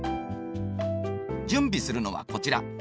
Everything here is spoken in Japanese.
準備するのはこちら。